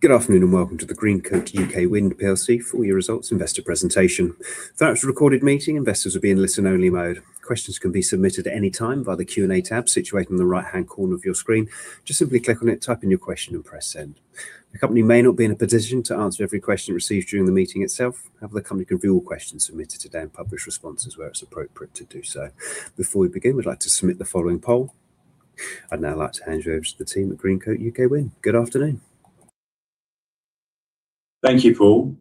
Good afternoon and welcome to the Greencoat UK Wind PLC Full-Year Results Investor Presentation. Throughout the recorded meeting, investors will be in listen-only mode. Questions can be submitted at any time via the Q&A tab situated in the right-hand corner of your screen. Just simply click on it, type in your question and press send. The company may not be in a position to answer every question received during the meeting itself. However, the company can view all questions submitted today and publish responses where it's appropriate to do so. Before we begin, we'd like to submit the following poll. I'd now like to hand you over to the team at Greencoat UK Wind. Good afternoon. Thank you, Paul.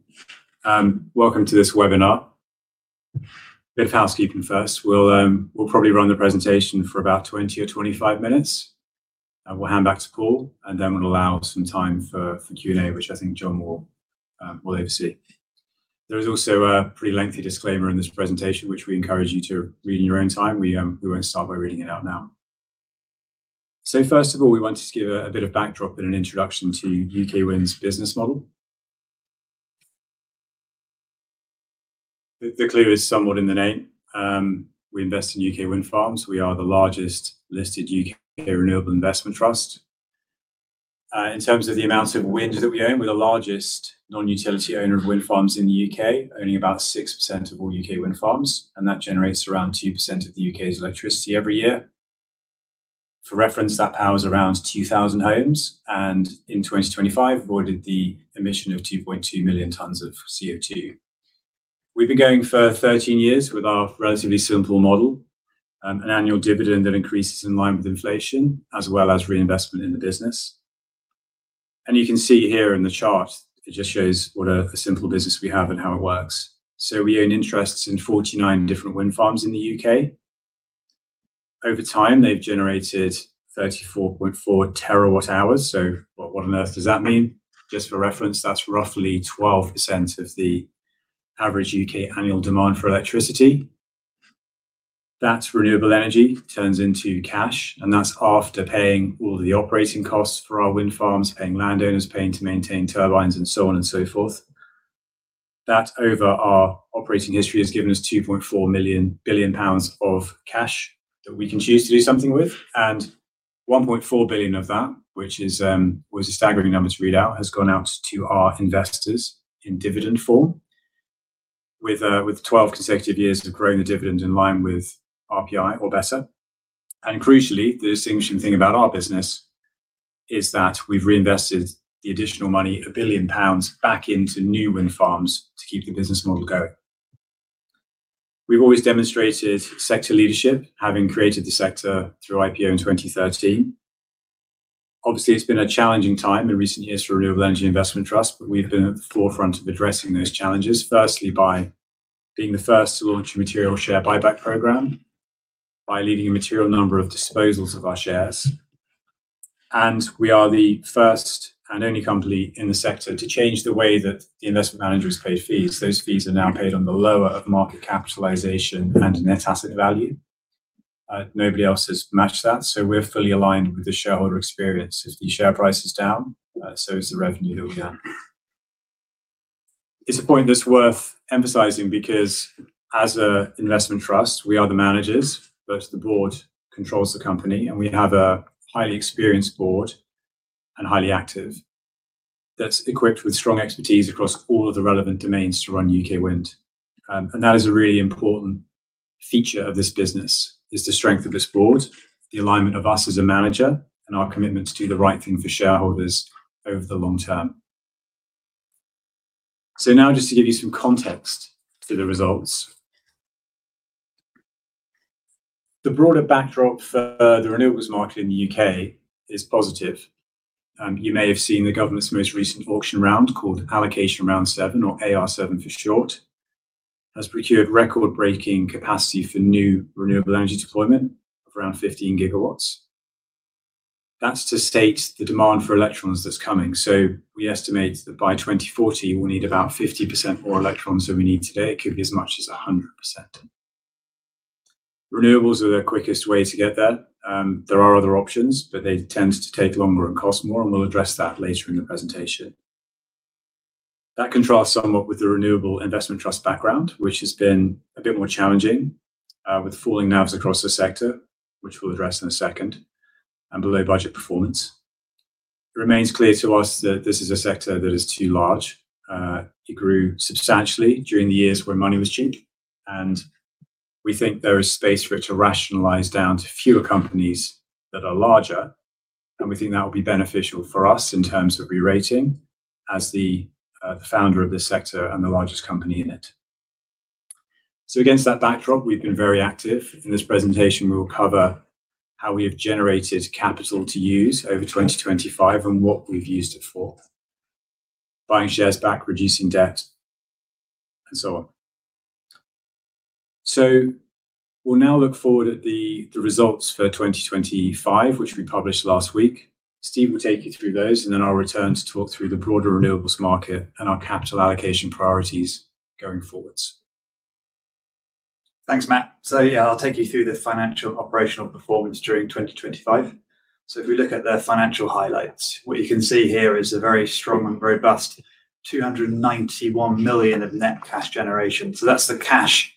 Welcome to this webinar. A bit of housekeeping first. We'll probably run the presentation for about 20 or 25 minutes. We'll hand back to Paul. We'll allow some time for Q&A, which I think John will oversee. There is also a pretty lengthy disclaimer in this presentation, which we encourage you to read in your own time. We won't start by reading it out now. First of all, we wanted to give a bit of backdrop and an introduction to UK Wind's business model. The, the clue is somewhat in the name, we invest in U.K. wind farms. We are the largest listed UK renewable investment trust. In terms of the amount of wind that we own, we're the largest non-utility owner of wind farms in the U.K., owning about 6% of all U.K. wind farms, and that generates around 2% of the U.K.'s electricity every year. For reference, that powers around 2,000 homes, and in 2025 avoided the emission of 2.2 million tons of CO2. We've been going for 13 years with our relatively simple model, an annual dividend that increases in line with inflation, as well as reinvestment in the business. You can see here in the chart, it just shows what a simple business we have and how it works. We own interests in 49 different wind farms in the U.K. Over time, they've generated 34.4 TWh. What on earth does that mean? Just for reference, that's roughly 12% of the average U.K. annual demand for electricity. That's renewable energy turns into cash, and that's after paying all the operating costs for our wind farms, paying landowners, paying to maintain turbines, and so on and so forth. That, over our operating history, has given us 2.4 billion pounds of cash that we can choose to do something with. 1.4 billion of that, which is, was a staggering number to read out, has gone out to our investors in dividend form with 12 consecutive years of growing the dividend in line with RPI or better. Crucially, the distinguishing thing about our business is that we've reinvested the additional money, 1 billion pounds, back into new wind farms to keep the business model going. We've always demonstrated sector leadership, having created the sector through IPO in 2013. It's been a challenging time in recent years for renewable energy investment trusts. We've been at the forefront of addressing those challenges, firstly by being the first to launch a material share buyback program, by leading a material number of disposals of our shares. We are the first and only company in the sector to change the way that the investment manager is paid fees. Those fees are now paid on the lower of market capitalization and net asset value. Nobody else has matched that, so we're fully aligned with the shareholder experience. As the share price is down, so is the revenue that we earn. It's a point that's worth emphasizing because as a investment trust, we are the managers, but the board controls the company, and we have a highly experienced board and highly active that's equipped with strong expertise across all of the relevant domains to run UK Wind. That is a really important feature of this business, is the strength of this board, the alignment of us as a manager and our commitment to do the right thing for shareholders over the long term. Now just to give you some context to the results. The broader backdrop for the renewables market in the U.K. is positive. You may have seen the government's most recent auction round called Allocation Round 7, or AR7 for short, has procured record-breaking capacity for new renewable energy deployment of around 15 GW. That's to state the demand for electrons that's coming. We estimate that by 2040 we'll need about 50% more electrons than we need today. It could be as much as 100%. Renewables are the quickest way to get there. There are other options, but they tend to take longer and cost more, and we'll address that later in the presentation. That contrasts somewhat with the renewable investment trust background, which has been a bit more challenging, with falling NAVs across the sector, which we'll address in a second, and below-budget performance. It remains clear to us that this is a sector that is too large. It grew substantially during the years where money was cheap, and we think there is space for it to rationalize down to fewer companies that are larger. We think that will be beneficial for us in terms of re-rating as the founder of this sector and the largest company in it. Against that backdrop, we've been very active. In this presentation, we will cover how we have generated capital to use over 2025 and what we've used it for, buying shares back, reducing debt, and so on. We'll now look forward at the results for 2025, which we published last week. Steve will take you through those, and then I'll return to talk through the broader renewables market and our capital allocation priorities going forwards. Thanks, Matt. Yeah, I'll take you through the financial operational performance during 2025. If we look at the financial highlights, what you can see here is a very strong and robust 291 million of net cash generation. That's the cash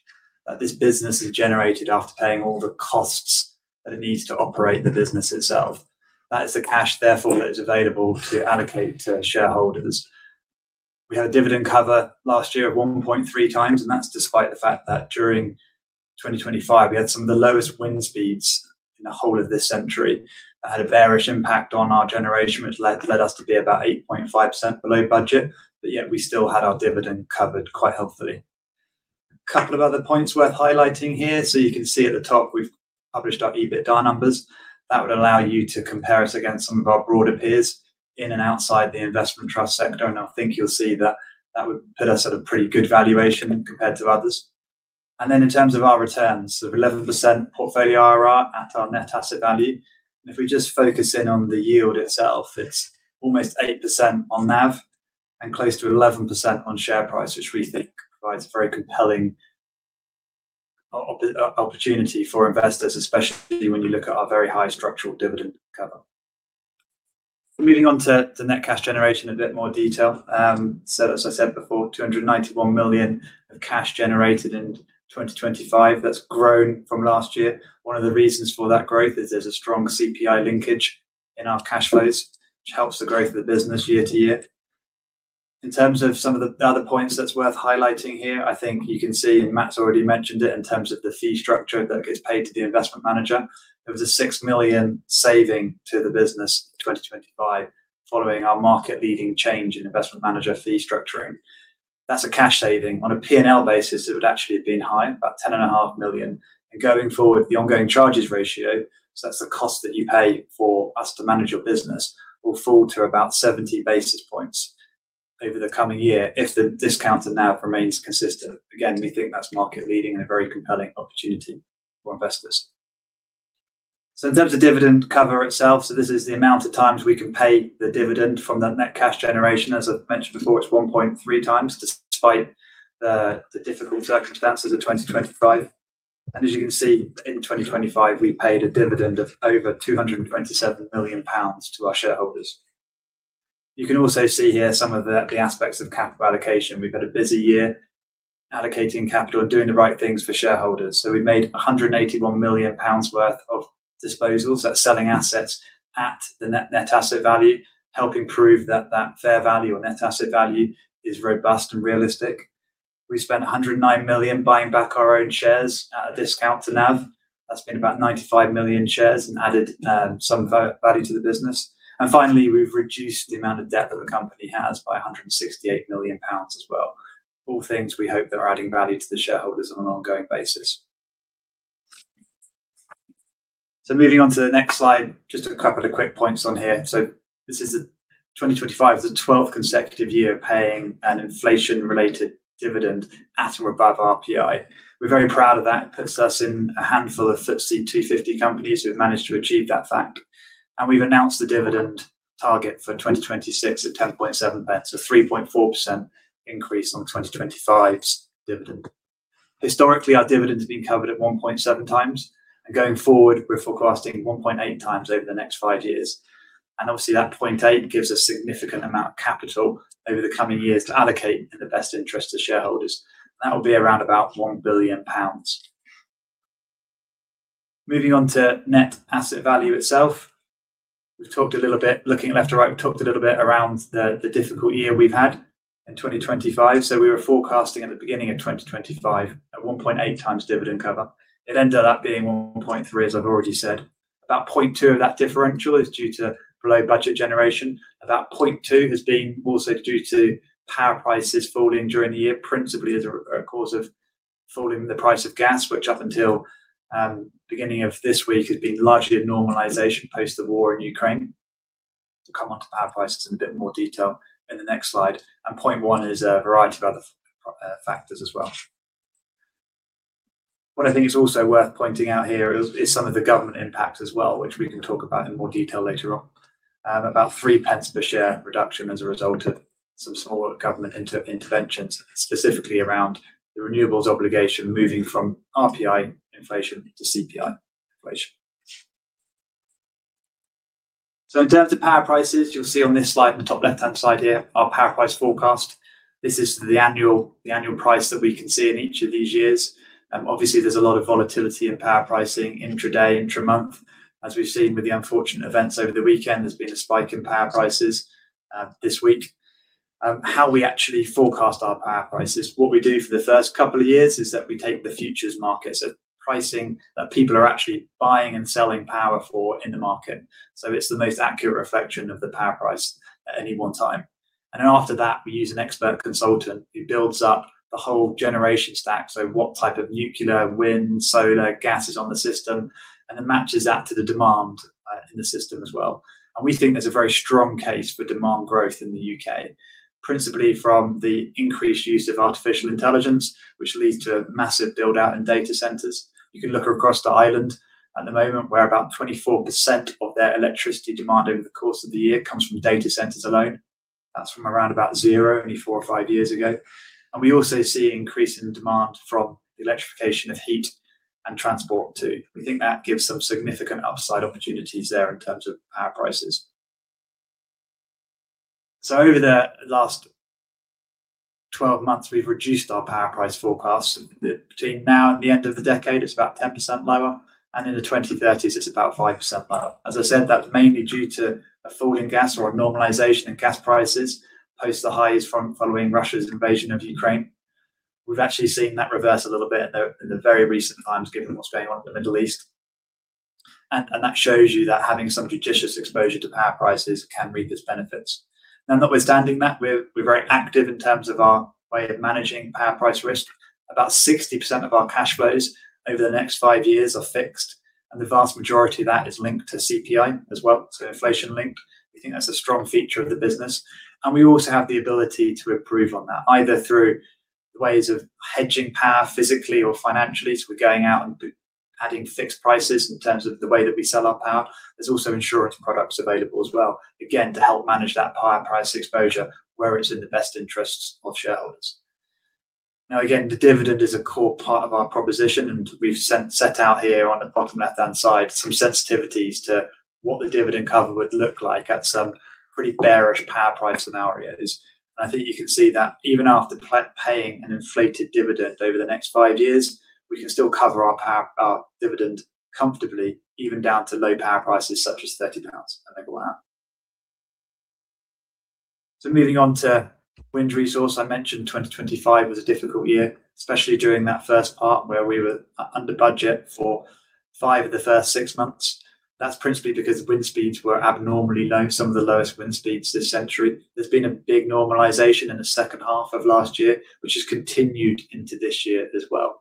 that this business has generated after paying all the costs that it needs to operate the business itself. That is the cash, therefore, that is available to allocate to shareholders. We had a dividend cover last year of 1.3x, and that's despite the fact that during 2025 we had some of the lowest wind speeds in the whole of this century. That had a bearish impact on our generation, which led us to be about 8.5% below budget, but yet we still had our dividend covered quite healthily. Couple of other points worth highlighting here. You can see at the top we've published our EBITDA numbers. That would allow you to compare us against some of our broader peers in and outside the investment trust sector. I think you'll see that that would put us at a pretty good valuation compared to others. In terms of our returns, 11% portfolio IRR at our NAV. If we just focus in on the yield itself, it's almost 8% on NAV and close to 11% on share price, which we think provides a very compelling opportunity for investors, especially when you look at our very high structural dividend cover. Moving on to net cash generation in a bit more detail. As I said before, 291 million of cash generated in 2025. That's grown from last year. One of the reasons for that growth is there's a strong CPI linkage in our cash flows, which helps the growth of the business year-to-year. In terms of some of the other points that's worth highlighting here, I think you can see, and Matt's already mentioned it, in terms of the fee structure that gets paid to the investment manager, there was a 6 million saving to the business in 2025 following our market leading change in investment manager fee structuring. That's a cash saving. On a P&L basis, it would actually have been higher, about 10.5 million. Going forward, the ongoing charges ratio, so that's the cost that you pay for us to manage your business, will fall to about 70 basis points over the coming year if the discount to NAV remains consistent. Again, we think that's market leading and a very compelling opportunity for investors. In terms of dividend cover itself, this is the amount of times we can pay the dividend from the net cash generation. As I've mentioned before, it's 1.3x, despite the difficult circumstances of 2025. As you can see, in 2025 we paid a dividend of over 227 million pounds to our shareholders. You can also see here some of the aspects of capital allocation. We've had a busy year allocating capital and doing the right things for shareholders. We made 181 million pounds worth of disposals. That's selling assets at the net asset value, helping prove that fair value or net asset value is robust and realistic. We spent 109 million buying back our own shares at a discount to NAV. That's been about 95 million shares and added value to the business. Finally, we've reduced the amount of debt that the company has by 168 million pounds as well, all things we hope that are adding value to the shareholders on an ongoing basis. Moving on to the next slide, just a couple of quick points on here. 2025 is the 12th consecutive year of paying an inflation-related dividend at or above RPI. We're very proud of that. It puts us in a handful of FTSE 250 companies who have managed to achieve that fact. We've announced the dividend target for 2026 at 0.107 pence, a 3.4% increase on 2025's dividend. Historically, our dividend has been covered at 1.7x, and going forward we're forecasting 1.8x over the next five years. Obviously, that 0.8x gives a significant amount of capital over the coming years to allocate in the best interest of shareholders. That'll be around about 1 billion pounds. Moving on to net asset value itself. Looking left to right, we've talked a little bit around the difficult year we've had in 2025. We were forecasting at the beginning of 2025 at 1.8x dividend cover. It ended up being 1.3x, as I've already said. About 0.2x of that differential is due to below budget generation. About 0.2x has been also due to power prices falling during the year, principally as a cause of falling the price of gas, which up until beginning of this week had been largely a normalization post the war in Ukraine. We'll come on to power prices in a bit more detail in the next slide. 0.1x is a variety of other factors as well. What I think is also worth pointing out here is some of the government impact as well, which we can talk about in more detail later on. About 0.03 per share reduction as a result of some smaller government interventions, specifically around the Renewables Obligation moving from RPI inflation to CPI inflation. In terms of power prices, you'll see on this slide in the top left-hand side here our power price forecast. This is the annual price that we can see in each of these years. Obviously there's a lot of volatility in power pricing intra-day, intra-month. As we've seen with the unfortunate events over the weekend, there's been a spike in power prices this week. How we actually forecast our power prices, what we do for the first couple of years is that we take the futures market, so pricing that people are actually buying and selling power for in the market. It's the most accurate reflection of the power price at any one time. After that, we use an expert consultant who builds up the whole generation stack, so what type of nuclear, wind, solar, gas is on the system, and then matches that to the demand in the system as well. We think there's a very strong case for demand growth in the UK, principally from the increased use of artificial intelligence, which leads to massive build-out in data centers. You can look across Ireland at the moment, where about 24% of their electricity demand over the course of the year comes from data centers alone. That's from around about zero only four or five years ago. We also see increase in demand from the electrification of heat and transport too. We think that gives some significant upside opportunities there in terms of power prices. Over the last 12 months, we've reduced our power price forecasts between now and the end of the decade, it's about 10% lower, and in the 2030s it's about 5% lower. As I said, that's mainly due to a fall in gas or a normalization in gas prices, post the highs from following Russia's invasion of Ukraine. We've actually seen that reverse a little bit in the very recent times, given what's going on in the Middle East. That shows you that having some judicious exposure to power prices can reap its benefits. Now, notwithstanding that, we're very active in terms of our way of managing power price risk. About 60% of our cash flows over the next five years are fixed, and the vast majority of that is linked to CPI as well, so inflation-linked. We think that's a strong feature of the business, and we also have the ability to improve on that, either through ways of hedging power physically or financially. We're going out and adding fixed prices in terms of the way that we sell our power. There's also insurance products available as well, again, to help manage that power price exposure where it's in the best interests of shareholders. Again, the dividend is a core part of our proposition, and we've set out here on the bottom left-hand side some sensitivities to what the dividend cover would look like at some pretty bearish power price scenarios. I think you can see that even after paying an inflated dividend over the next five years, we can still cover our dividend comfortably, even down to low power prices, such as 30 pounds a megawatt. Moving on to wind resource. I mentioned 2025 was a difficult year, especially during that first part where we were under budget for five of the first six months. That's principally because wind speeds were abnormally low, some of the lowest wind speeds this century. There's been a big normalization in the second half of last year, which has continued into this year as well,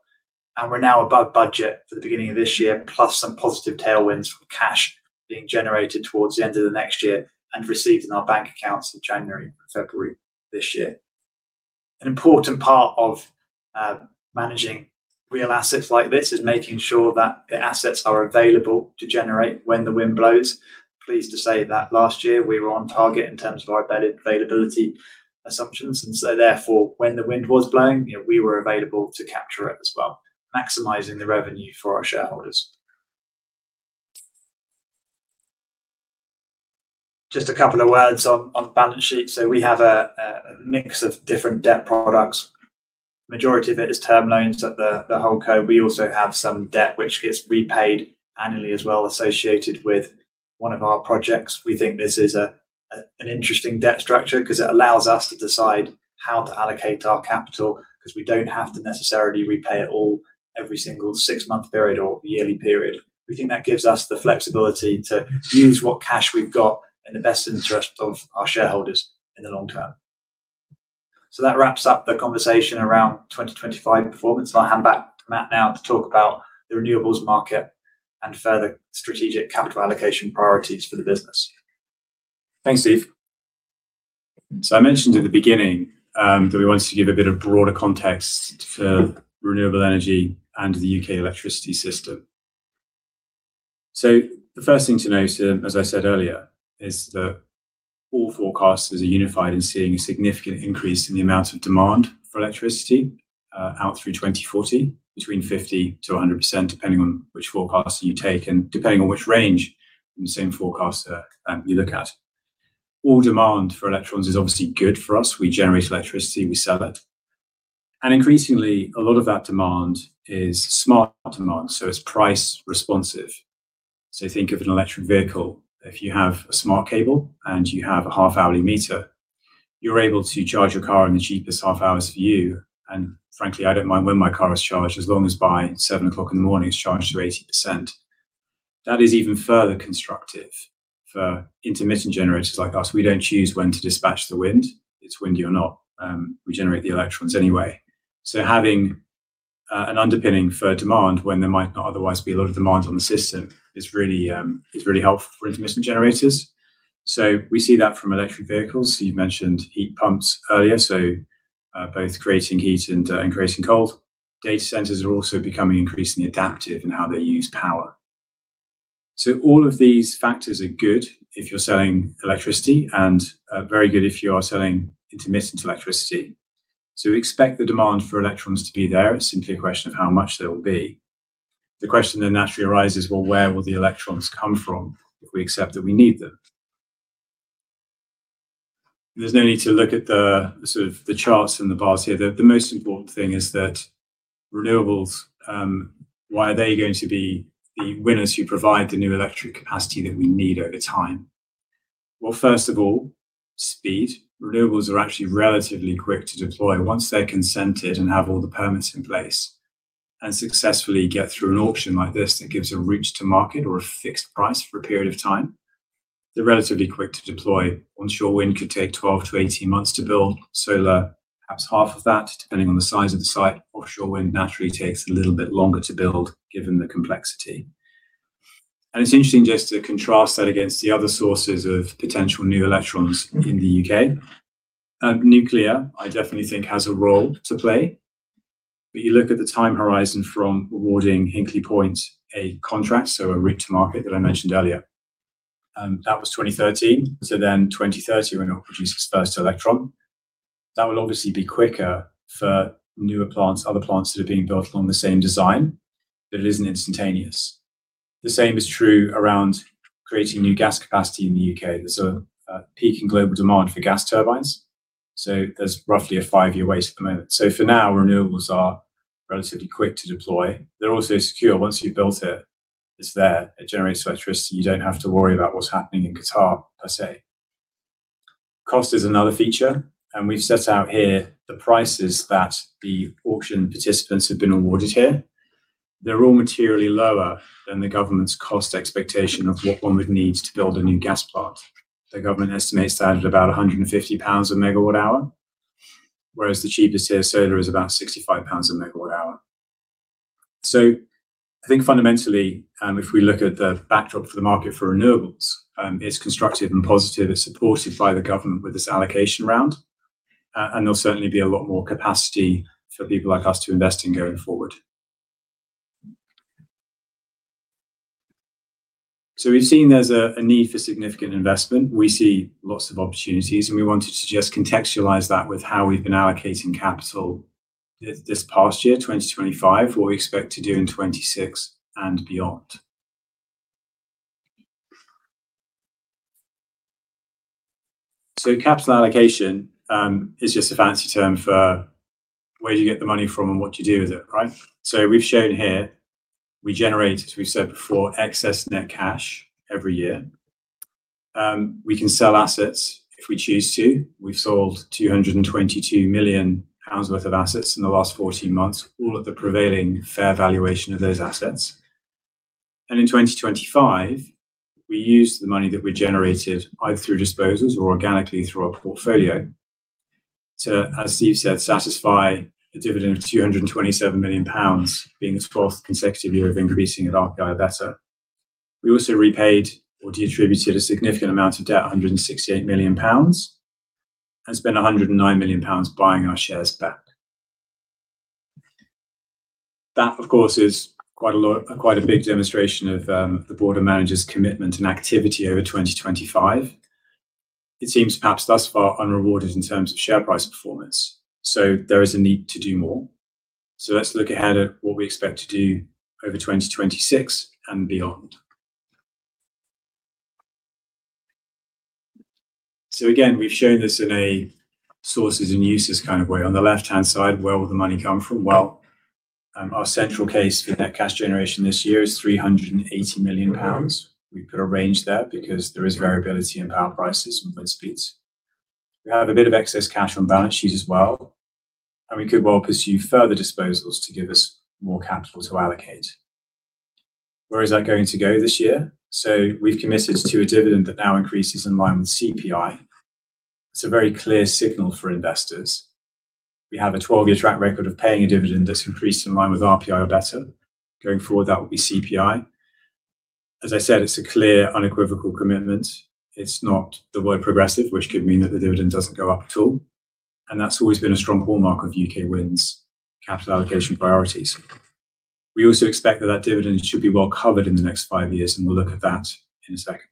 and we're now above budget for the beginning of this year, plus some positive tailwinds from cash being generated towards the end of the next year and received in our bank accounts in January and February this year. An important part of managing real assets like this is making sure that the assets are available to generate when the wind blows. Pleased to say that last year we were on target in terms of our availability assumptions. Therefore, when the wind was blowing, you know, we were available to capture it as well, maximizing the revenue for our shareholders. Just a couple of words on the balance sheet. We have a mix of different debt products. Majority of it is term loans at the HoldCo. We also have some debt which gets repaid annually as well associated with one of our projects. We think this is an interesting debt structure 'cause it allows us to decide how to allocate our capital 'cause we don't have to necessarily repay it all every single six-month period or yearly period. We think that gives us the flexibility to use what cash we've got in the best interest of our shareholders in the long term. That wraps up the conversation around 2025 performance. I'll hand back to Matt now to talk about the renewables market and further strategic capital allocation priorities for the business. Thanks, Steve. I mentioned at the beginning that we wanted to give a bit of broader context for renewable energy and the U.K. electricity system. The first thing to note, as I said earlier, is that all forecasters are unified in seeing a significant increase in the amount of demand for electricity out through 2040, between 50%-100%, depending on which forecast you take and depending on which range in the same forecast you look at. More demand for electrons is obviously good for us. We generate electricity, we sell it. Increasingly, a lot of that demand is smart demand, so it's price responsive. Think of an electric vehicle. If you have a smart cable and you have a half-hourly meter, you're able to charge your car in the cheapest half hours for you, and frankly, I don't mind when my car is charged, as long as by 7:00 A.M. in the morning it's charged to 80%. That is even further constructive for intermittent generators like us. We don't choose when to dispatch the wind. It's windy or not, we generate the electrons anyway. Having an underpinning for demand when there might not otherwise be a lot of demand on the system is really, is really helpful for intermittent generators. We see that from electric vehicles. You've mentioned heat pumps earlier, so, both creating heat and creating cold. Data centers are also becoming increasingly adaptive in how they use power. All of these factors are good if you're selling electricity and very good if you are selling intermittent electricity. We expect the demand for electrons to be there. It's simply a question of how much there will be. The question then naturally arises, where will the electrons come from if we accept that we need them? There's no need to look at the charts and the bars here. The most important thing is that renewables, why are they going to be the winners who provide the new electric capacity that we need over time? First of all, speed. Renewables are actually relatively quick to deploy once they're consented and have all the permits in place and successfully get through an auction like this that gives a route to market or a fixed price for a period of time. They're relatively quick to deploy. Onshore wind could take 12-18 months to build. Solar, perhaps half of that, depending on the size of the site. Offshore wind naturally takes a little bit longer to build given the complexity. It's interesting just to contrast that against the other sources of potential new electrons in the U.K. Nuclear, I definitely think has a role to play. You look at the time horizon from awarding Hinkley Point a contract, so a route to market that I mentioned earlier, that was 2013. 2030 when it will produce its first electron. That will obviously be quicker for newer plants, other plants that are being built on the same design, but it isn't instantaneous. The same is true around creating new gas capacity in the U.K. There's a peak in global demand for gas turbines, so there's roughly a five-year wait at the moment. For now, renewables are relatively quick to deploy. They're also secure. Once you've built it's there. It generates electricity, you don't have to worry about what's happening in Qatar per se. Cost is another feature, and we've set out here the prices that the auction participants have been awarded here. They're all materially lower than the government's cost expectation of what one would need to build a new gas plant. The government estimates that at about 150 pounds a megawatt-hour, whereas the cheapest here, solar, is about 65 pounds a megawatt-hour. I think fundamentally, if we look at the backdrop for the market for renewables, it's constructive and positive. It's supported by the government with this Allocation Round. There'll certainly be a lot more capacity for people like us to invest in going forward. We've seen there's a need for significant investment. We see lots of opportunities. We wanted to just contextualize that with how we've been allocating capital this past year, 2025, what we expect to do in 2026 and beyond. Capital allocation is just a fancy term for where do you get the money from and what do you do with it, right? We've shown here we generate, as we've said before, excess net cash every year. We can sell assets if we choose to. We've sold 222 million pounds worth of assets in the last 14 months, all at the prevailing fair valuation of those assets. In 2025, we used the money that we generated, either through disposals or organically through our portfolio, to, as Steve said, satisfy a dividend of 227 million pounds, being its fourth consecutive year of increasing at RPI or better. We also repaid or deattributed a significant amount of debt, 168 million pounds, and spent 109 million pounds buying our shares back. That, of course, is quite a lot, quite a big demonstration of the board of managers' commitment and activity over 2025. It seems perhaps thus far unrewarded in terms of share price performance, there is a need to do more. Let's look ahead at what we expect to do over 2026 and beyond. Again, we've shown this in a sources and uses kind of way. On the left-hand side, where will the money come from? Well, our central case for net cash generation this year is 380 million pounds. We've got a range there because there is variability in power prices and wind speeds. We have a bit of excess cash on balance sheet as well, and we could well pursue further disposals to give us more capital to allocate. Where is that going to go this year? We've committed to a dividend that now increases in line with CPI. It's a very clear signal for investors. We have a 12-year track record of paying a dividend that's increased in line with RPI or better. Going forward, that will be CPI. As I said, it's a clear, unequivocal commitment. It's not the word progressive, which could mean that the dividend doesn't go up at all. That's always been a strong hallmark of Greencoat UK Wind's capital allocation priorities. We also expect that that dividend should be well-covered in the next five years. We'll look at that in a second.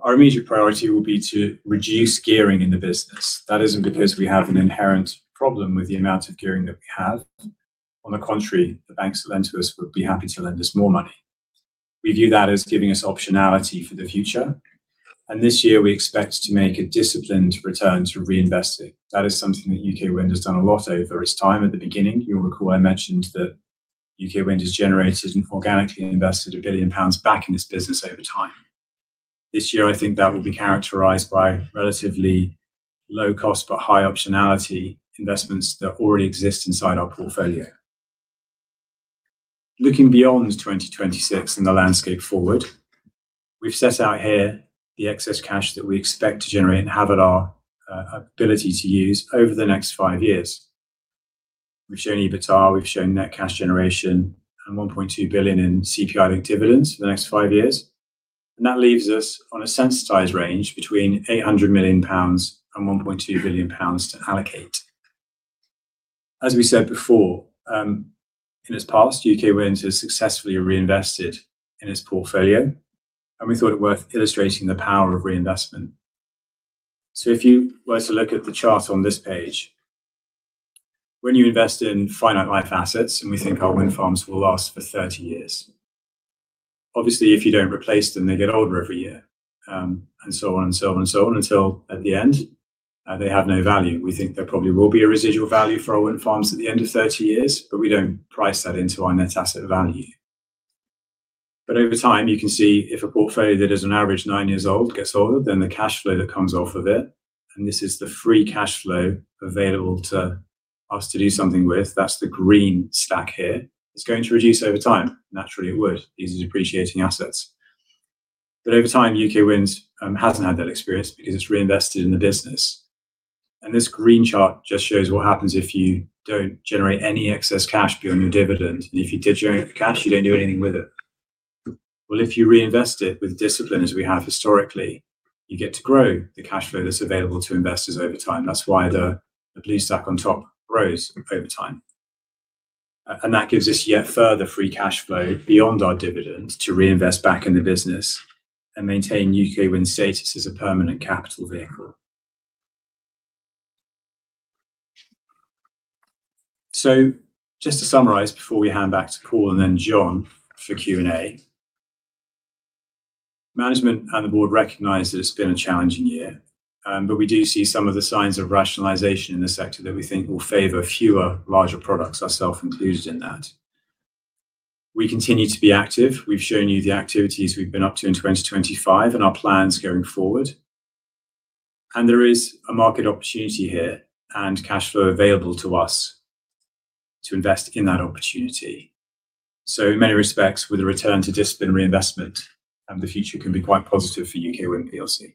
Our immediate priority will be to reduce gearing in the business. That isn't because we have an inherent problem with the amount of gearing that we have. On the contrary, the banks that lend to us would be happy to lend us more money. We view that as giving us optionality for the future. This year we expect to make a disciplined return to reinvesting. That is something that Greencoat UK Wind has done a lot over its time. At the beginning, you'll recall I mentioned that UK Wind has generated and organically invested 1 billion pounds back in this business over time. This year, I think that will be characterized by relatively low cost but high optionality investments that already exist inside our portfolio. Looking beyond 2026 and the landscape forward, we've set out here the excess cash that we expect to generate and have at our ability to use over the next five years. We've shown EBITA, we've shown net cash generation and 1.2 billion in CPI-linked dividends for the next five years. That leaves us on a sensitized range between 800 million pounds and 1.2 billion pounds to allocate. As we said before, in its past, UK Wind has successfully reinvested in its portfolio. We thought it worth illustrating the power of reinvestment. If you were to look at the chart on this page, when you invest in finite life assets, and we think our wind farms will last for 30 years, obviously if you don't replace them, they get older every year, and so on and so on and so on until at the end, they have no value. We think there probably will be a residual value for our wind farms at the end of 30 years, but we don't price that into our net asset value. Over time, you can see if a portfolio that is on average nine years old gets older, then the cash flow that comes off of it, and this is the free cash flow available to us to do something with, that's the green stack here, it's going to reduce over time. Naturally, it would. These are depreciating assets. Over time, UK Wind hasn't had that experience because it's reinvested in the business. This green chart just shows what happens if you don't generate any excess cash beyond your dividend. If you did generate cash, you don't do anything with it. Well, if you reinvest it with discipline, as we have historically, you get to grow the cash flow that's available to investors over time. That's why the blue stack on top grows over time. That gives us yet further free cash flow beyond our dividend to reinvest back in the business and maintain UK Wind status as a permanent capital vehicle. Just to summarize before we hand back to Paul and then John for Q&A, management and the board recognize that it's been a challenging year, but we do see some of the signs of rationalization in the sector that we think will favor fewer larger products, ourself included in that. We continue to be active. We've shown you the activities we've been up to in 2025 and our plans going forward, and there is a market opportunity here and cash flow available to us to invest in that opportunity. In many respects, with a return to disciplined reinvestment, the future can be quite positive for UK Wind PLC.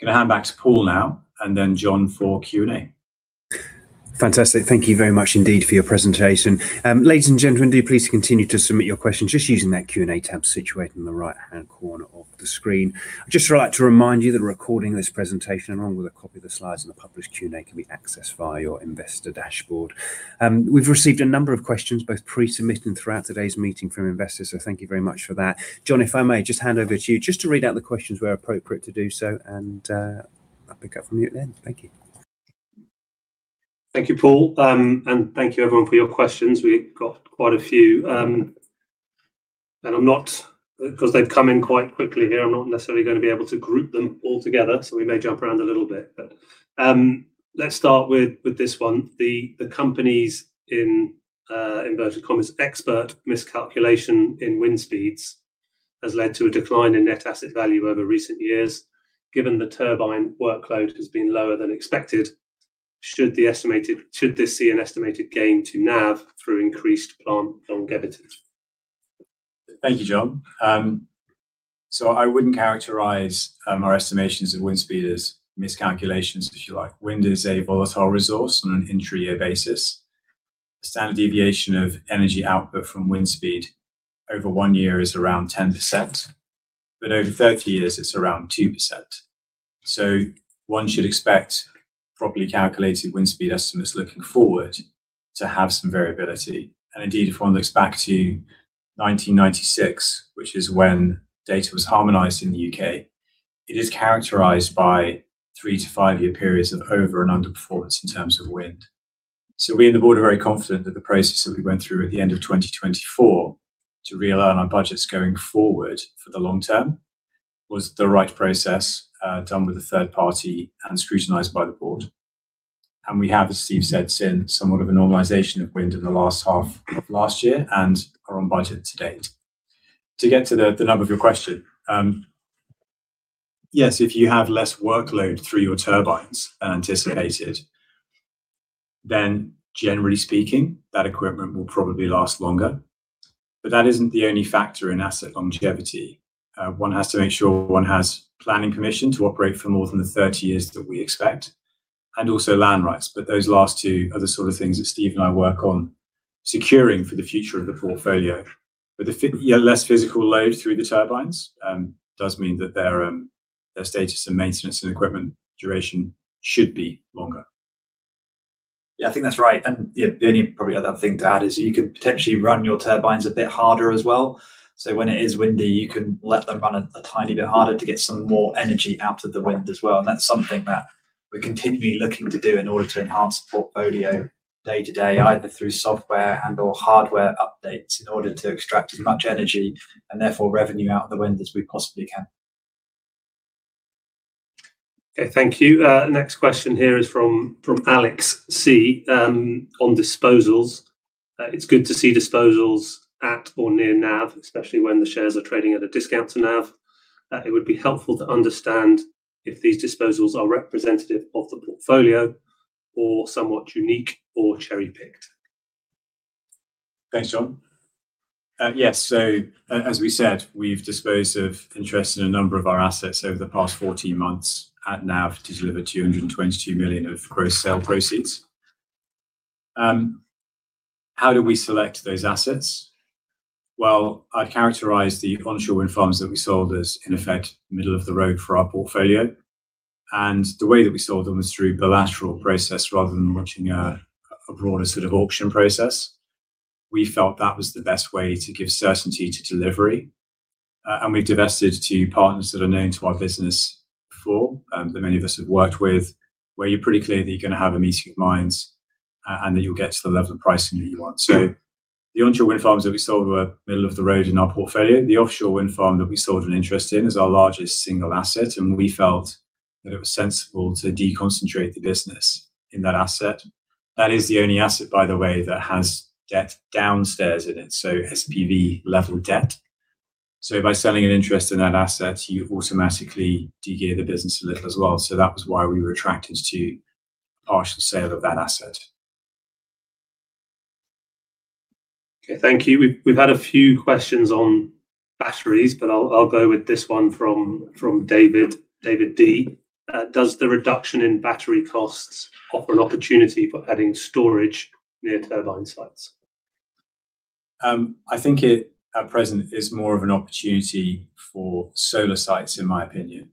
Gonna hand back to Paul now and then John for Q&A. Fantastic. Thank you very much indeed for your presentation. Ladies and gentlemen, do please continue to submit your questions just using that Q&A tab situated in the right-hand corner of the screen. I'd just like to remind you that a recording of this presentation, along with a copy of the slides and the published Q&A, can be accessed via your investor dashboard. We've received a number of questions both pre-submitted and throughout today's meeting from investors, so thank you very much for that. John, if I may just hand over to you just to read out the questions where appropriate to do so, and I'll pick up from you then. Thank you. Thank you, Paul. Thank you everyone for your questions. We got quite a few. Because they've come in quite quickly here, I'm not necessarily gonna be able to group them all together. We may jump around a little bit. Let's start with this one. The company's in inverted commas, expert miscalculation in wind speeds has led to a decline in net asset value over recent years. Given the turbine workload has been lower than expected, should this see an estimated gain to NAV through increased plant longevity? Thank you, John. I wouldn't characterize our estimations of wind speed as miscalculations if you like. Wind is a volatile resource on an intra-year basis. Standard deviation of energy output from wind speed over one year is around 10%, but over 30 years it's around 2%. One should expect properly calculated wind speed estimates looking forward to have some variability. Indeed, if one looks back to 1996, which is when data was harmonized in the U.K., it is characterized by three to five-year periods of over and underperformance in terms of wind. We in the board are very confident that the process that we went through at the end of 2024 to realign our budgets going forward for the long term was the right process, done with a third party and scrutinized by the board. We have, as Steve said, seen somewhat of a normalization of wind in the last half of last year and are on budget to date. To get to the nub of your question, yes, if you have less workload through your turbines than anticipated, then generally speaking, that equipment will probably last longer. That isn't the only factor in asset longevity. One has to make sure one has planning permission to operate for more than the 30 years that we expect and also land rights, but those last two are the sort of things that Steve and I work on securing for the future of the portfolio. Yeah, less physical load through the turbines does mean that their status and maintenance and equipment duration should be longer. Yeah, I think that's right. Yeah, the only probably other thing to add is you could potentially run your turbines a bit harder as well. When it is windy, you can let them run a tiny bit harder to get some more energy out of the wind as well, and that's something that we're continually looking to do in order to enhance the portfolio day to day, either through software and/or hardware updates in order to extract as much energy and therefore revenue out of the wind as we possibly can. Okay, thank you. Next question here is from Alex C., on disposals. It's good to see disposals at or near NAV, especially when the shares are trading at a discount to NAV. It would be helpful to understand if these disposals are representative of the portfolio or somewhat unique or cherry-picked. Thanks, John. Yes. As we said, we've disposed of interest in a number of our assets over the past 14 months at NAV to deliver 222 million of gross sale proceeds. How do we select those assets? Well, I'd characterize the onshore wind farms that we sold as in effect middle of the road for our portfolio. The way that we sold them was through bilateral process rather than launching a broader sort of auction process. We felt that was the best way to give certainty to delivery. We divested to partners that are known to our business before, that many of us have worked with, where you're pretty clear that you're gonna have a meeting of minds and that you'll get to the level of pricing that you want. The onshore wind farms that we sold were middle of the road in our portfolio. The offshore wind farm that we sold an interest in is our largest single asset, and we felt that it was sensible to deconcentrate the business in that asset. That is the only asset, by the way, that has debt downstairs in it, so SPV level debt. By selling an interest in that asset, you automatically de-gear the business a little as well. That was why we were attracted to partial sale of that asset. Okay, thank you. We've had a few questions on batteries, but I'll go with this one from David D. Does the reduction in battery costs offer an opportunity for adding storage near turbine sites? I think it at present is more of an opportunity for solar sites, in my opinion.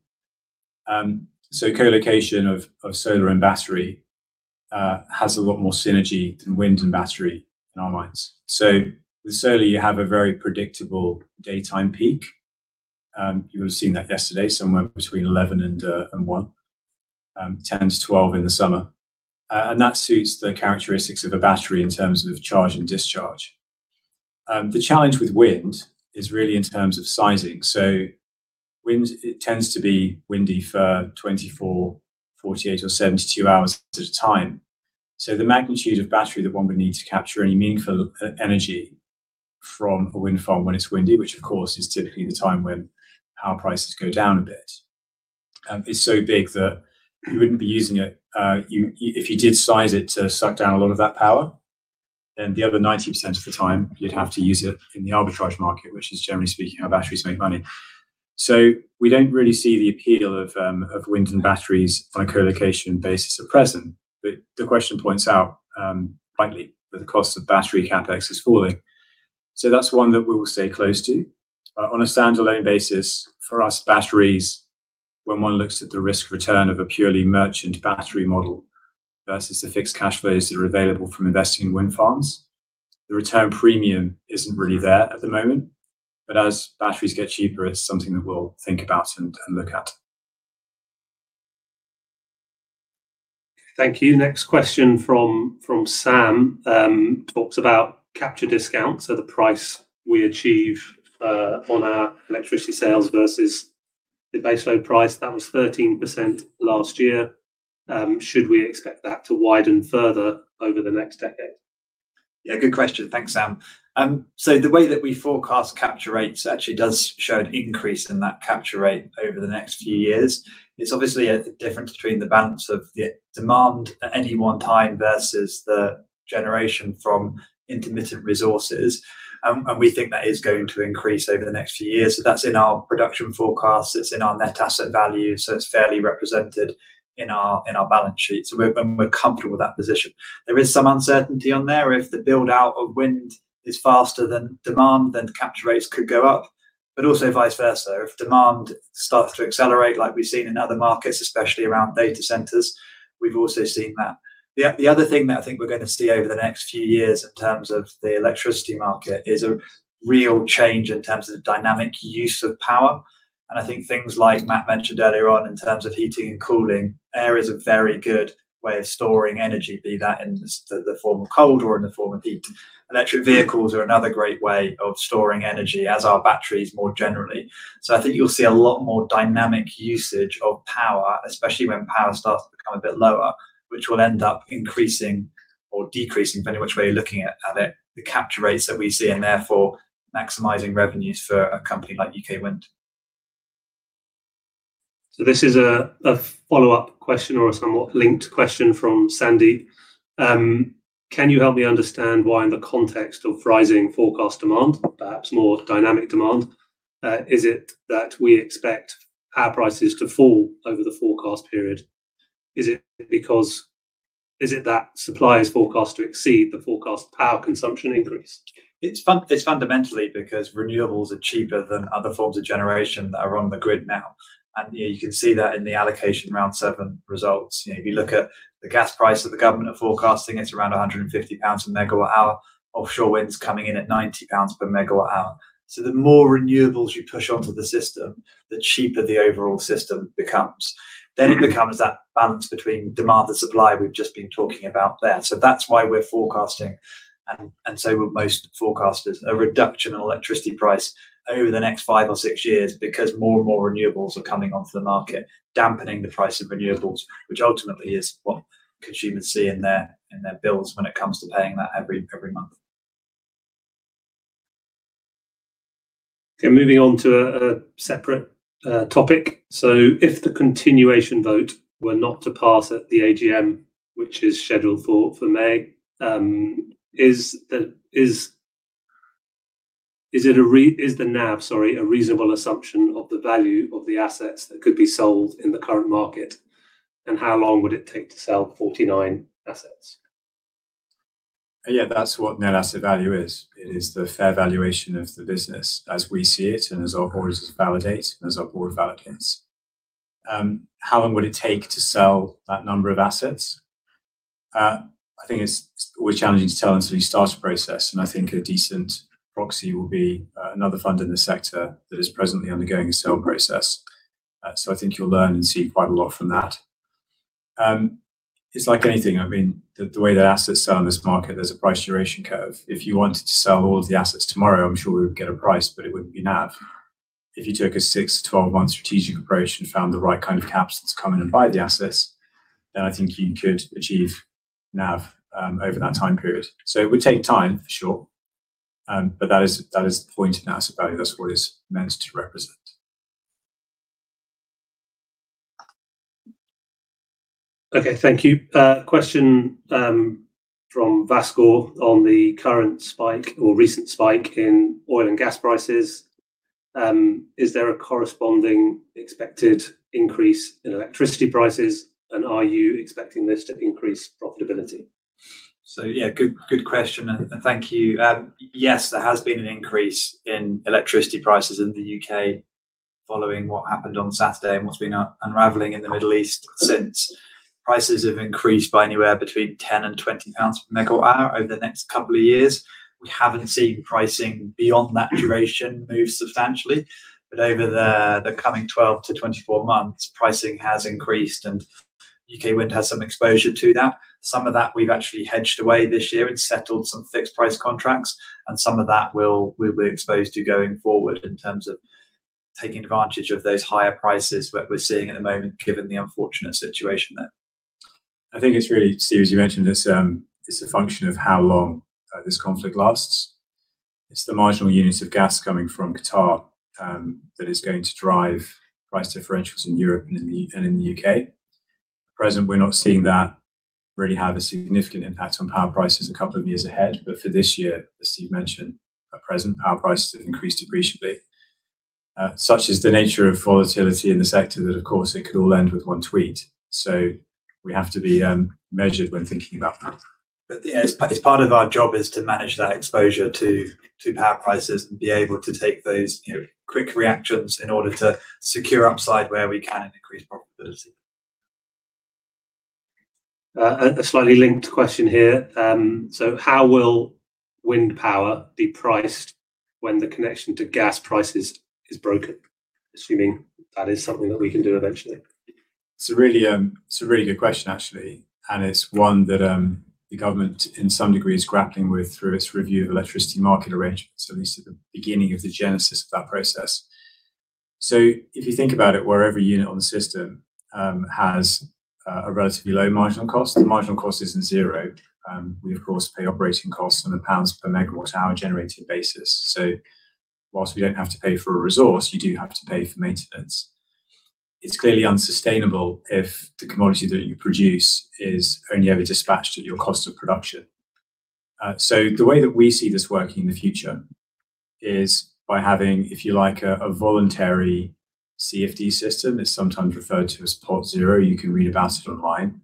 Co-location of solar and battery has a lot more synergy than wind and battery in our minds. With solar, you have a very predictable daytime peak. You would have seen that yesterday, somewhere between 11:00 A.M. and 1:00 P.M., 10:00 A.M. to 12:00 P.M. in the summer. That suits the characteristics of a battery in terms of charge and discharge. The challenge with wind is really in terms of sizing. Wind, it tends to be windy for 24, 48 or 72 hours at a time. The magnitude of battery that one would need to capture any meaningful energy from a wind farm when it's windy, which of course is typically the time when power prices go down a bit, is so big that you wouldn't be using it. You, if you did size it to suck down a lot of that power, then the other 90% of the time you'd have to use it in the arbitrage market, which is, generally speaking, how batteries make money. We don't really see the appeal of wind and batteries on a co-location basis at present. The question points out, rightly, that the cost of battery CapEx is falling. That's one that we will stay close to. On a standalone basis for us batteries, when one looks at the risk return of a purely merchant battery model versus the fixed cash flows that are available from investing in wind farms, the return premium isn't really there at the moment. As batteries get cheaper, it's something that we'll think about and look at. Thank you. Next question from Sam, talks about capture discount, so the price we achieve on our electricity sales versus the baseload price. That was 13% last year. Should we expect that to widen further over the next decade? Good question. Thanks, Sam. The way that we forecast capture rates actually does show an increase in that capture rate over the next few years. It's obviously a difference between the balance of the demand at any one time versus the generation from intermittent resources, and we think that is going to increase over the next few years. That's in our production forecast. It's in our net asset value, so it's fairly represented in our balance sheet. We're comfortable with that position. There is some uncertainty on there. If the build-out of wind is faster than demand, then the capture rates could go up, but also vice versa. If demand starts to accelerate like we've seen in other markets, especially around data centers, we've also seen that. The other thing that I think we're gonna see over the next few years in terms of the electricity market is a real change in terms of dynamic use of power. I think things like Matt mentioned earlier on in terms of heating and cooling. Air is a very good way of storing energy, be that in the form of cold or in the form of heat. Electric vehicles are another great way of storing energy, as are batteries more generally. I think you'll see a lot more dynamic usage of power, especially when power starts to become a bit lower, which will end up increasing or decreasing, depending which way you're looking at it, the capture rates that we see, and therefore maximizing revenues for a company like UK Wind. This is a follow-up question or a somewhat linked question from Sandy. Can you help me understand why in the context of rising forecast demand, perhaps more dynamic demand, is it that we expect power prices to fall over the forecast period? Is it that supply is forecast to exceed the forecast power consumption increase? It's fundamentally because renewables are cheaper than other forms of generation that are on the grid now, and, you know, you can see that in the Allocation Round 7 results. You know, if you look at the gas price that the government are forecasting, it's around 150 pounds a megawatt-hour. Offshore wind's coming in at 90 pounds per megawatt-hour. The more renewables you push onto the system, the cheaper the overall system becomes. It becomes that balance between demand and supply we've just been talking about there. That's why we're forecasting, and so are most forecasters, a reduction in electricity price over the next five or six years because more and more renewables are coming onto the market, dampening the price of renewables, which ultimately is what consumers see in their bills when it comes to paying that every month. Okay, moving on to a separate topic. If the continuation vote were not to pass at the AGM, which is scheduled for May, is the NAV, sorry, a reasonable assumption of the value of the assets that could be sold in the current market, and how long would it take to sell 49 assets? Yeah, that's what net asset value is. It is the fair valuation of the business as we see it and as our auditors validate and as our board validates. How long would it take to sell that number of assets? I think it's always challenging to tell until you start a process, and I think a decent proxy will be another fund in the sector that is presently undergoing a sale process. I think you'll learn and see quite a lot from that. It's like anything. I mean, the way that assets are in this market, there's a price duration curve. If you wanted to sell all of the assets tomorrow, I'm sure we would get a price, but it wouldn't be NAV. If you took a six to 12 month strategic approach and found the right kind of caps that's come in and buy the assets, then I think you could achieve NAV over that time period. It would take time, for sure, but that is the point of net asset value. That's what it's meant to represent. Okay. Thank you. Question from Vasco on the current spike or recent spike in oil and gas prices. Is there a corresponding expected increase in electricity prices? Are you expecting this to increase profitability? Yeah, good question, and thank you. Yes, there has been an increase in electricity prices in the U.K. following what happened on Saturday and what's been unraveling in the Middle East since. Prices have increased by anywhere between 10 and 20 pounds per megawatt-hour over the next couple of years. We haven't seen pricing beyond that duration move substantially. Over the coming 12 to 24 months, pricing has increased. UK Wind has some exposure to that. Some of that we've actually hedged away this year and settled some fixed price contracts. Some of that we'll be exposed to going forward in terms of taking advantage of those higher prices that we're seeing at the moment, given the unfortunate situation there. I think it's really, Steve, as you mentioned, it's a function of how long this conflict lasts. It's the marginal units of gas coming from Qatar that is going to drive price differentials in Europe and in the U.K. At present, we're not seeing that really have a significant impact on power prices a couple of years ahead. For this year, as Steve mentioned, at present, power prices have increased appreciably. Such is the nature of volatility in the sector that of course it could all end with one tweet. We have to be measured when thinking about that. Yeah, it's part of our job is to manage that exposure to power prices and be able to take those, you know, quick reactions in order to secure upside where we can and increase profitability. A slightly linked question here. How will wind power be priced when the connection to gas prices is broken? Assuming that is something that we can do eventually. It's a really good question actually, and it's one that the government in some degree is grappling with through its Review of Electricity Market Arrangements, or at least at the beginning of the genesis of that process. If you think about it, where every unit on the system has a relatively low marginal cost, the marginal cost isn't zero. We of course pay operating costs on the pounds per megawatt-hour generating basis. Whilst we don't have to pay for a resource, you do have to pay for maintenance. It's clearly unsustainable if the commodity that you produce is only ever dispatched at your cost of production. The way that we see this working in the future is by having, if you like, a voluntary CFD system. It's sometimes referred to as Pot-Zero. You can read about it online.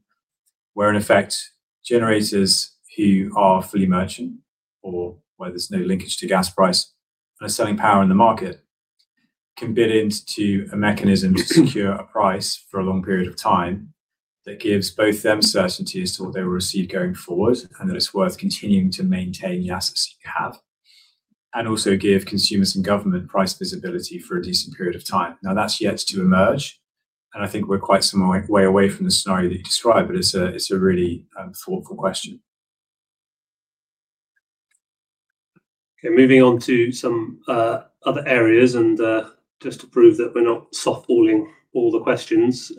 In effect, generators who are fully merchant or where there's no linkage to gas price and are selling power in the market, can bid into a mechanism to secure a price for a long period of time that gives both them certainty as to what they will receive going forward and that it's worth continuing to maintain the assets that you have. Also give consumers and government price visibility for a decent period of time. That's yet to emerge, and I think we're quite some way away from the scenario that you described, but it's a really thoughtful question. Okay, moving on to some other areas, and just to prove that we're not softballing all the questions.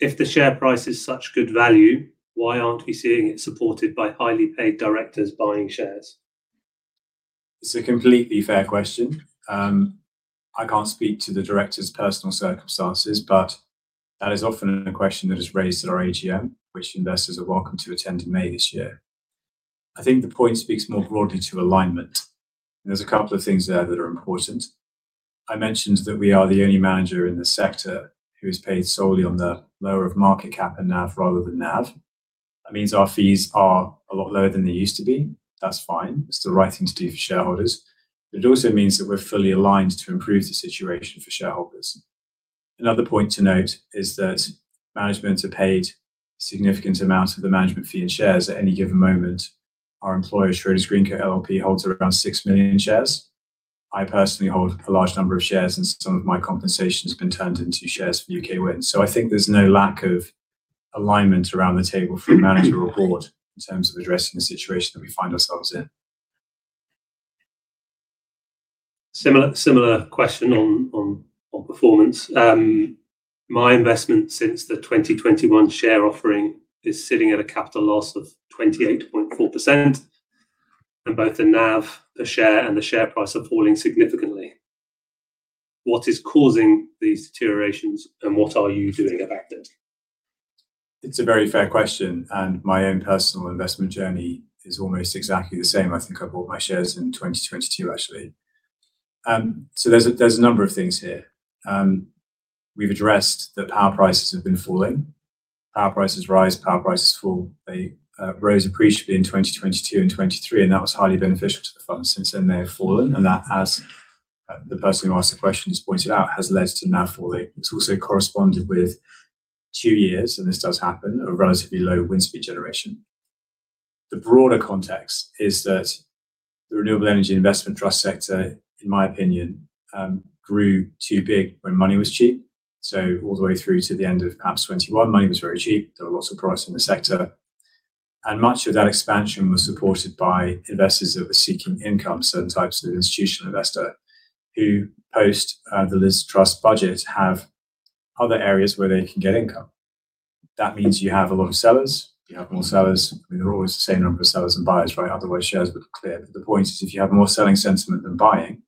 If the share price is such good value, why aren't we seeing it supported by highly paid directors buying shares? It's a completely fair question. I can't speak to the directors' personal circumstances, but that is often a question that is raised at our AGM, which investors are welcome to attend in May this year. I think the point speaks more broadly to alignment, and there's a couple of things there that are important. I mentioned that we are the only manager in the sector who is paid solely on the lower of market cap and NAV rather than NAV. That means our fees are a lot lower than they used to be. That's fine. It's the right thing to do for shareholders. It also means that we're fully aligned to improve the situation for shareholders. Another point to note is that managements are paid significant amounts of the management fee in shares at any given moment. Our employer, Schroders Greencoat LLP, holds around 6 million shares. I personally hold a large number of shares, and some of my compensation has been turned into shares for UK Wind. I think there's no lack of alignment around the table for the manager on board in terms of addressing the situation that we find ourselves in. Similar question on performance. My investment since the 2021 share offering is sitting at a capital loss of 28.4%, and both the NAV, the share, and the share price are falling significantly. What is causing these deteriorations, and what are you doing about it? It's a very fair question, and my own personal investment journey is almost exactly the same. I think I bought my shares in 2022, actually. There's a number of things here. We've addressed that power prices have been falling. Power prices rise, power prices fall. They rose appreciably in 2022 and 2023, and that was highly beneficial to the fund. Since then, they have fallen, and that, as the person who asked the question has pointed out, has led to NAV falling. It's also corresponded with two years, and this does happen, of relatively low wind speed generation. The broader context is that the renewable energy investment trust sector, in my opinion, grew too big when money was cheap. All the way through to the end of perhaps 2021, money was very cheap. There were lots of products in the sector. Much of that expansion was supported by investors that were seeking income, certain types of institutional investor, who post the Liz Truss budget have other areas where they can get income. That means you have a lot of sellers. You have more sellers. I mean, there are always the same number of sellers and buyers, right? Otherwise, shares would clear. The point is if you have more selling sentiment than buying,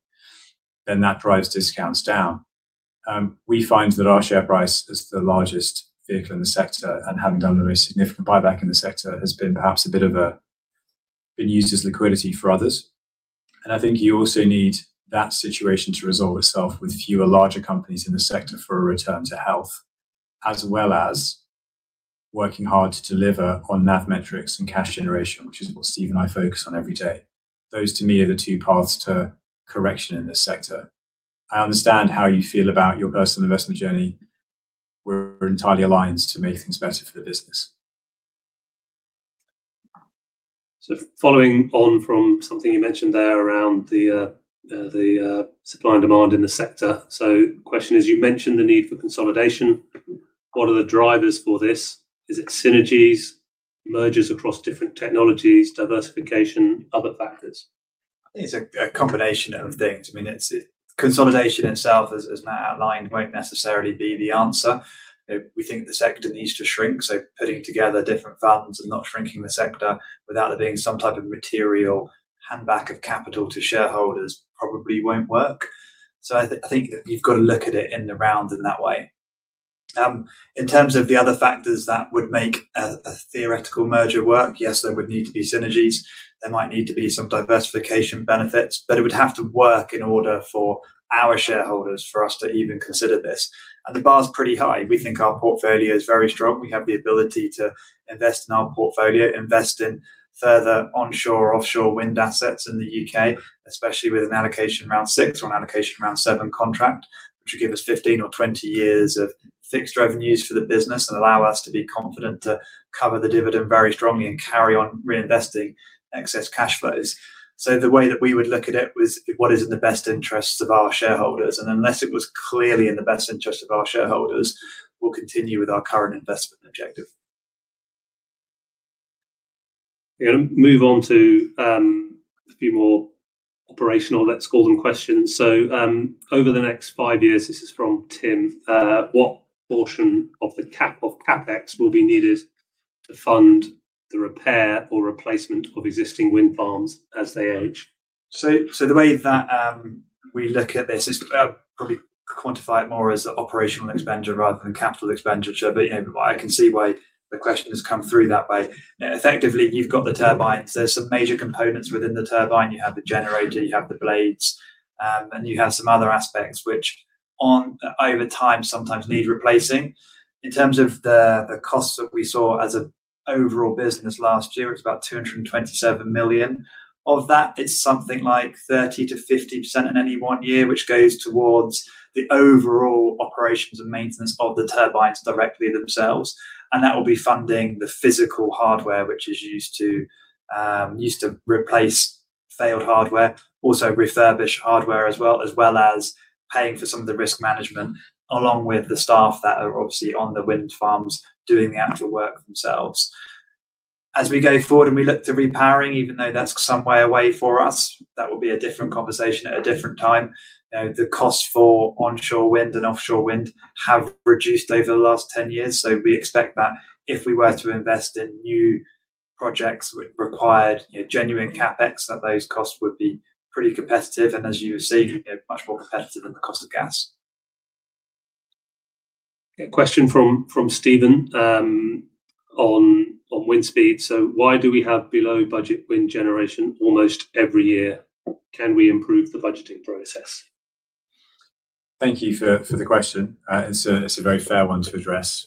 then that drives discounts down. We find that our share price as the largest vehicle in the sector and having done the most significant buyback in the sector has been perhaps a bit of been used as liquidity for others. I think you also need that situation to resolve itself with fewer larger companies in the sector for a return to health, as well as working hard to deliver on NAV metrics and cash generation, which is what Steve and I focus on every day. Those to me are the two paths to correction in this sector. I understand how you feel about your personal investment journey. We're entirely aligned to make things better for the business. Following on from something you mentioned there around the supply and demand in the sector. Question is, you mentioned the need for consolidation. What are the drivers for this? Is it synergies, mergers across different technologies, diversification, other factors? I think it's a combination of things. Consolidation itself as Matt outlined, won't necessarily be the answer. You know, we think the sector needs to shrink, so putting together different farms and not shrinking the sector without there being some type of material hand-back of capital to shareholders probably won't work. I think you've got to look at it in the round in that way. In terms of the other factors that would make a theoretical merger work, yes, there would need to be synergies. There might need to be some diversification benefits, but it would have to work in order for our shareholders for us to even consider this, and the bar is pretty high. We think our portfolio is very strong. We have the ability to invest in our portfolio, invest in further onshore, offshore wind assets in the U.K., especially with an Allocation Round 6 or an Allocation Round 7 contract, which will give us 15 or 20 years of fixed revenues for the business and allow us to be confident to cover the dividend very strongly and carry on reinvesting excess cash flows. The way that we would look at it was what is in the best interests of our shareholders, and unless it was clearly in the best interest of our shareholders, we'll continue with our current investment objective. We're gonna move on to a few more operational, let's call them, questions. Over the next five years, this is from Tim, what portion of the CapEx will be needed to fund the repair or replacement of existing wind farms as they age? The way that we look at this is probably quantify it more as operational expenditure rather than capital expenditure. You know, I can see why the question has come through that way. Effectively, you've got the turbines. There's some major components within the turbine. You have the generator, you have the blades, and you have some other aspects which, over time, sometimes need replacing. In terms of the costs that we saw as an overall business last year, it's about 227 million. Of that it's something like 30%-50% in any one year, which goes towards the overall operations and maintenance of the turbines directly themselves. That will be funding the physical hardware which is used to, used to replace failed hardware, also refurbish hardware as well, as well as paying for some of the risk management, along with the staff that are obviously on the wind farms doing the actual work themselves. As we go forward and we look to repowering, even though that's some way away for us, that will be a different conversation at a different time. You know, the cost for onshore wind and offshore wind have reduced over the last 10 years, so we expect that if we were to invest in new projects which required, you know, genuine CapEx, that those costs would be pretty competitive and, as you would see, much more competitive than the cost of gas. A question from Steven, on wind speed. Why do we have below-budget wind generation almost every year? Can we improve the budgeting process? Thank you for the question. It's a very fair one to address.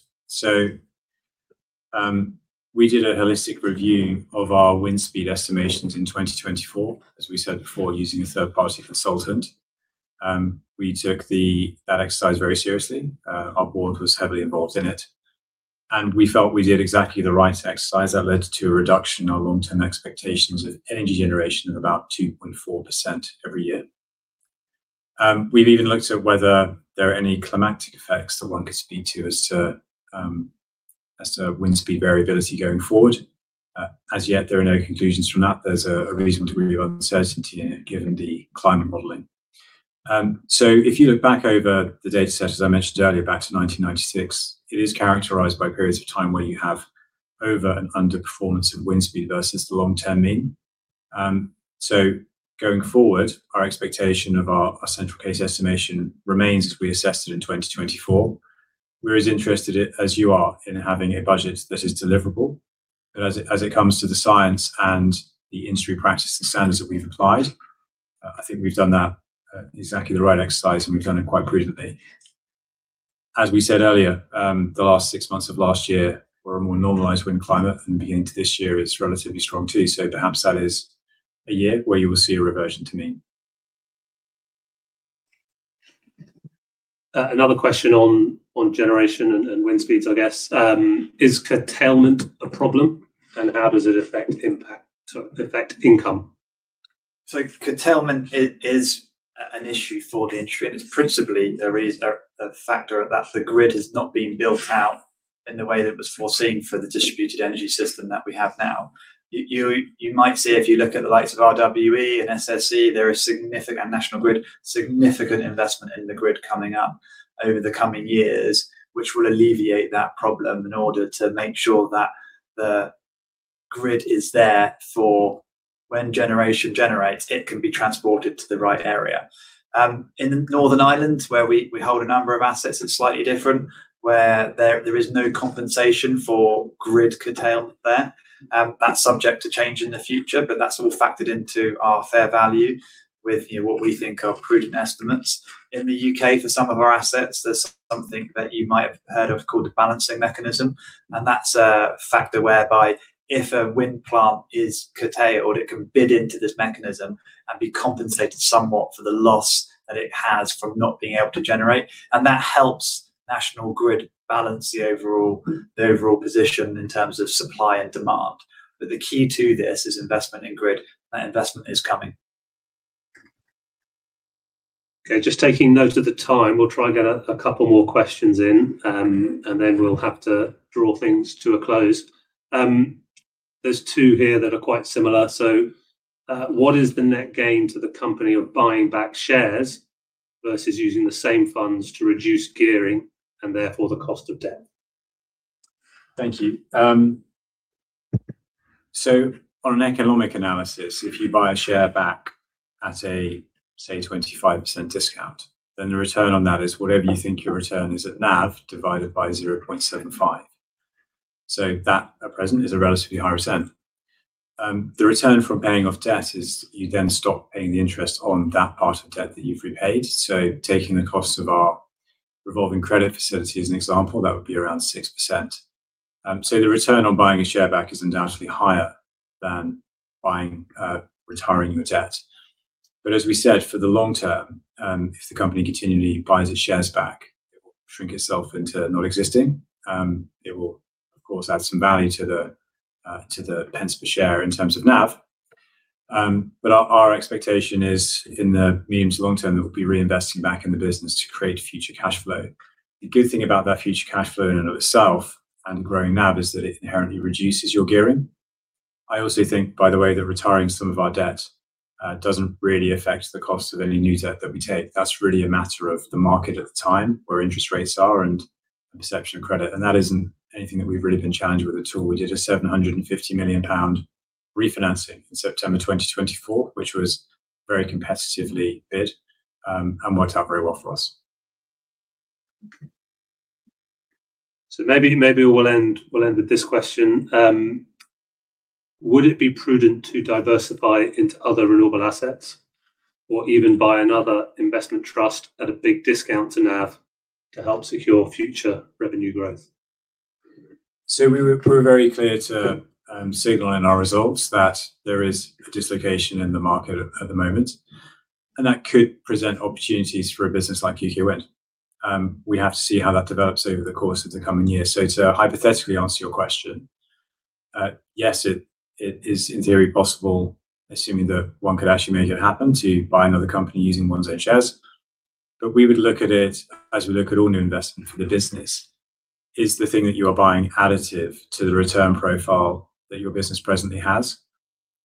We did a holistic review of our wind speed estimations in 2024, as we said before, using a third-party consultant. We took that exercise very seriously. Our board was heavily involved in it, and we felt we did exactly the right exercise that led to a reduction in our long-term expectations of energy generation of about 2.4% every year. We've even looked at whether there are any climatic effects that one could speak to as to wind speed variability going forward. As yet, there are no conclusions from that. There's a reasonable degree of uncertainty in it given the climate modeling. If you look back over the dataset, as I mentioned earlier, back to 1996, it is characterized by periods of time where you have over and under performance of wind speed versus the long-term mean. Going forward, our expectation of our central case estimation remains as we assessed it in 2024. We're as interested as you are in having a budget that is deliverable. As it comes to the science and the industry practice and standards that we've applied, I think we've done that exactly the right exercise, and we've done it quite prudently. As we said earlier, the last six months of last year were a more normalized wind climate, and the beginning to this year is relatively strong too, so perhaps that is a year where you will see a reversion to mean. Another question on generation and wind speeds, I guess. Is curtailment a problem, and how does it affect income? Curtailment is an issue for the industry, and it's principally there is a factor that the grid has not been built out in the way that was foreseen for the distributed energy system that we have now. You might see if you look at the likes of RWE and SSE, there is significant investment in the grid coming up over the coming years, which will alleviate that problem in order to make sure that grid is there for when generation generates, it can be transported to the right area. In Northern Ireland where we hold a number of assets, it's slightly different, where there is no compensation for grid curtailment there. That's subject to change in the future, but that's all factored into our fair value with, you know, what we think are prudent estimates. In the U.K. for some of our assets, there's something that you might have heard of called the Balancing Mechanism, and that's a factor whereby if a wind plant is curtailed, it can bid into this mechanism and be compensated somewhat for the loss that it has from not being able to generate. That helps National Grid balance the overall position in terms of supply and demand. The key to this is investment in grid. That investment is coming. Okay. Just taking note of the time, we'll try and get a couple more questions in. Then we'll have to draw things to a close. There's two here that are quite similar. What is the net gain to the company of buying back shares versus using the same funds to reduce gearing and therefore the cost of debt? Thank you. On an economic analysis, if you buy a share back at a, say, 25% discount, then the return on that is whatever you think your return is at NAV divided by 0.75. That at present is a relatively higher return. The return from paying off debt is you then stop paying the interest on that part of debt that you've repaid. Taking the cost of our revolving credit facility as an example, that would be around 6%. The return on buying a share back is undoubtedly higher than buying, retiring your debt. As we said, for the long term, if the company continually buys its shares back, it will shrink itself into not existing. It will of course add some value to the pence per share in terms of NAV. Our expectation is in the medium to long term that we'll be reinvesting back in the business to create future cash flow. The good thing about that future cash flow in and of itself and growing NAV is that it inherently reduces your gearing. I also think, by the way, that retiring some of our debt doesn't really affect the cost of any new debt that we take. That's really a matter of the market at the time, where interest rates are and the perception of credit, and that isn't anything that we've really been challenged with at all. We did a 750 million pound refinancing in September 2024, which was very competitively bid and worked out very well for us. Maybe we'll end with this question. Would it be prudent to diversify into other renewable assets or even buy another investment trust at a big discount to NAV to help secure future revenue growth? We were very clear to signal in our results that there is a dislocation in the market at the moment, and that could present opportunities for a business like UK Wind. We have to see how that develops over the course of the coming year. To hypothetically answer your question, yes, it is in theory possible, assuming that one could actually make it happen, to buy another company using one's own shares. We would look at it as we look at all new investment for the business. Is the thing that you are buying additive to the return profile that your business presently has?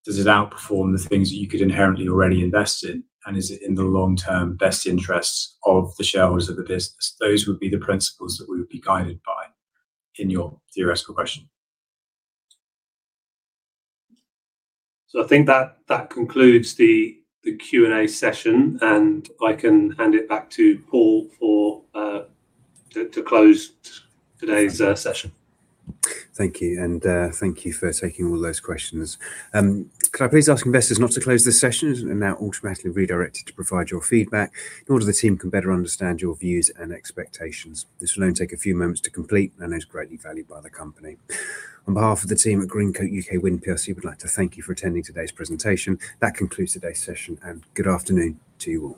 Does it outperform the things that you could inherently already invest in, and is it in the long term best interests of the shareholders of the business? Those would be the principles that we would be guided by in your theoretical question. I think that concludes the Q&A session, and I can hand it back to Paul to close today's session. Thank you, thank you for taking all those questions. Could I please ask investors not to close this session, as you're now automatically redirected to provide your feedback in order the team can better understand your views and expectations. This will only take a few moments to complete and is greatly valued by the company. On behalf of the team at Greencoat UK Wind PLC, we'd like to thank you for attending today's presentation. That concludes today's session. Good afternoon to you all.